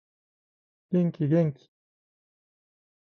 元気元気